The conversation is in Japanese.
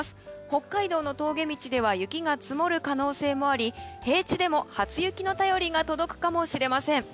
北海道の峠道では雪が積もる可能性もあり平地でも初雪の便りが届くかもしれません。